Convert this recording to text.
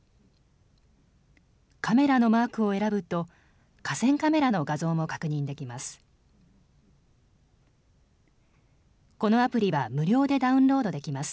カメラのマークを選ぶと河川カメラの画像も確認できます。